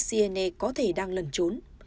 siene có thể đang lần trốn